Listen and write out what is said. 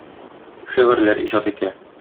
Шигырьләр иҗат итә.